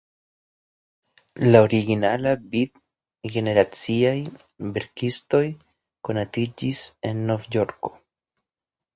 La originala "Beat"-generaciaj verkistoj konatiĝis en Novjorko.